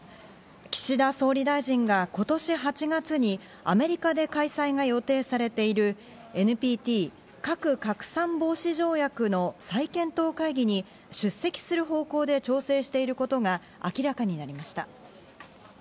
岸田総理大臣が今年８月にアメリカで開催が予定されているＮＰＴ＝核拡散防止条約の再検討会議に出席する方向で調整していることが明らかになりました。